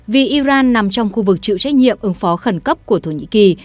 vì iran nằm trong khu vực chịu trách nhiệm ứng phó khẩn cấp của thổ nhĩ kỳ